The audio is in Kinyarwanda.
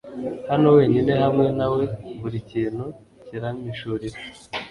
hano, wenyine hamwe nawe ... buri kintu kirampishurira